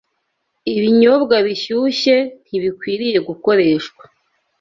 Ibinyobwa bishyushye ntibikwiriye gukoreshwa